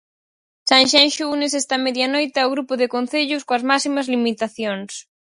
Sanxenxo únese esta media noite ao grupo de concellos coas máximas limitacións.